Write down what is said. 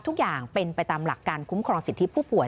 ทุกอย่างเป็นไปตามหลักการคุ้มครองสิทธิผู้ป่วย